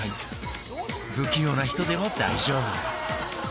不器用な人でも大丈夫！